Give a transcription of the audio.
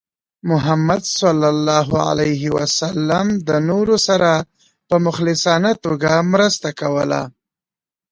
محمد صلى الله عليه وسلم د نورو سره په مخلصانه توګه مرسته کوله.